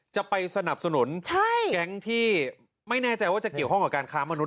จะไปสนับสนุนแก๊งที่ไม่แน่ใจว่าจะเกี่ยวข้องกับการค้ามนุษ